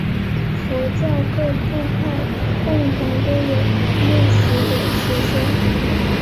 佛教各部派共同都有六识的学说。